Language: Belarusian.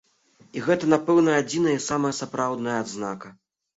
І гэта, напэўна, адзіная і самая сапраўдная адзнака.